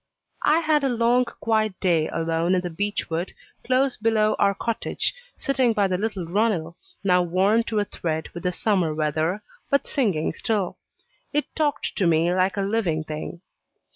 I had a long, quiet day alone in the beech wood, close below our cottage, sitting by the little runnel, now worn to a thread with the summer weather, but singing still. It talked to me like a living thing.